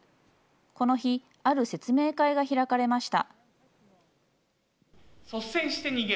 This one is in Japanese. この日、ある説明会が開かれました。